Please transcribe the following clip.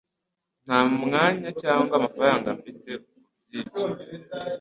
Nta mwanya cyangwa amafaranga mfite kubwibyo.